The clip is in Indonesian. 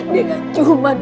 dia gak cuman